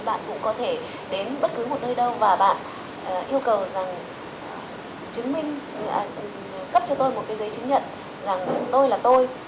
bạn cũng có thể đến bất cứ một nơi đâu và bạn yêu cầu rằng chứng minh cấp cho tôi một cái giấy chứng nhận rằng tôi là tôi